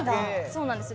そうなんです。